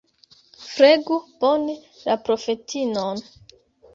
Flegu bone la profetinon.